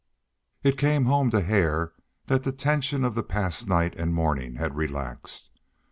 It came home to Hare that the tension of the past night and morning had relaxed.